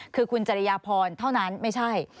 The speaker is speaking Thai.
คือคุณจริยพรเท่านั้นไม่ใช่